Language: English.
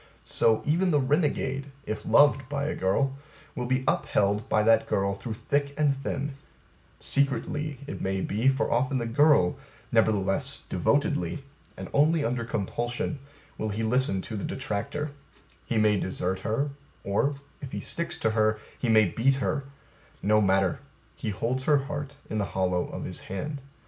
So, Even the renegade, if loved by a girl, will be upheld by that girl through thick and thin secretly, it may be, for often the girl, nevertheless devotedly, and only under compulsion will he listen to the detractor: he may desert her, or, if he sticks to her, he may beat her; no matter: he holds her heart in the hollow of his hand.